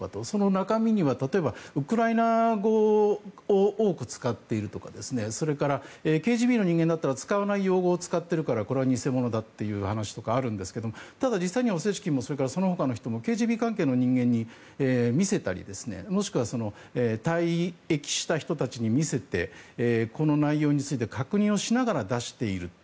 その中身には例えば、ウクライナ語を多く使っているとかそれからＫＧＢの人間だったら使わない用語を使っているからこれは偽物だという話があるんですがただ、実際にはオセチキンもそのほかの人もＫＧＢ関係の人間に見せたりもしくは退役した人たちに見せてこの内容について確認をしながら出している。